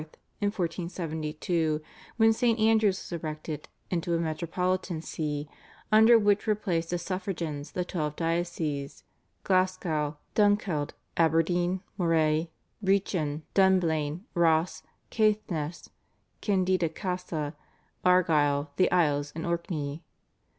in 1472, when St. Andrew's was erected into a metropolitan See, under which were placed as suffragans the twelve dioceses, Glasgow, Dunkeld, Aberdeen, Moray, Brechin, Dunblane, Ross, Caithness, Candida Casa, Argyll, the Isles, and Orkney.